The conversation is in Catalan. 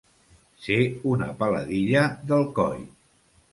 Ser una peladilla d'Alcoi.